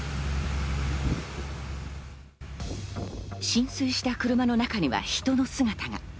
浸水した車の中には人の姿が。